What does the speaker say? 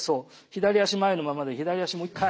左足前のままで左足もう一回。